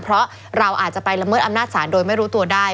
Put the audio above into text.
เพราะเราอาจจะไปละเมิดอำนาจศาลโดยไม่รู้ตัวได้